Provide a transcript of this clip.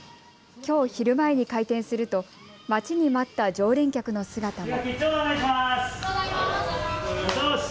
きょう昼前に開店すると待ちに待った常連客の姿も。